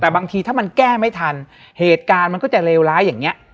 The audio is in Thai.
แต่บางทีถ้ามันแก้ไม่ทันเหตุการณ์มันก็จะเลวร้ายอย่างนี้